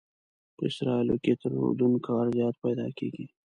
په اسرائیلو کې تر اردن کار زیات پیدا کېږي.